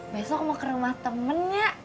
besok mau ke rumah temennya